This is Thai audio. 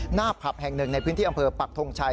ผับแห่งหนึ่งในพื้นที่อำเภอปักทงชัย